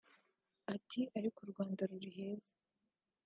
ati ariko “u Rwanda ruri heza